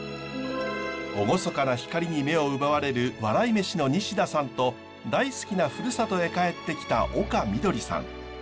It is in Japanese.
厳かな光に目を奪われる笑い飯の西田さんと大好きなふるさとへ帰ってきた丘みどりさん。